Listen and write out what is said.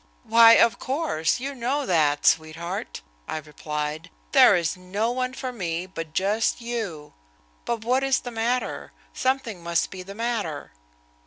"Why, of course, you know that, sweetheart," I replied. "There is no one for me but just you! But what is the matter? Something must be the matter."